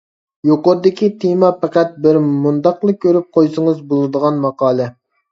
يۇقىرىدىكى تېما پەقەت بىر مۇنداقلا كۆرۈپ قويسىڭىز بولىدىغان ماقالە.